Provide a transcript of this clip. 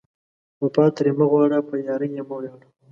وفا ترې مه غواړه، په یارۍ یې مه ویاړه